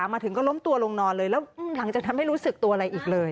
มาถึงก็ล้มตัวลงนอนเลยแล้วหลังจากนั้นไม่รู้สึกตัวอะไรอีกเลย